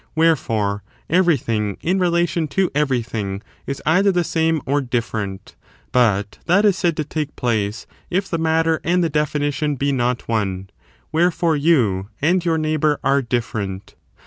Wherefore, eveiything in relation to everything is either the same or diflTerent ; but that is said to take place if the matter and the definition be not one : wherefore, you and your neighbour are different.